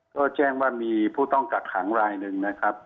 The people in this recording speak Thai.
ก็แจ้งว่ามีผู้ต้องกักขังรายหนึ่งนะครับ